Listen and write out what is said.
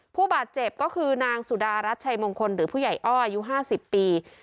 ผู้บาดเจ็บก็คือนางสุดารัฐชัยมงคลหรือผู้ใหญ่อ้ออายุ๕๐ปี